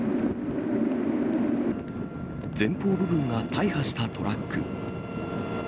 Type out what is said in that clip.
前方部分が大破したトラック。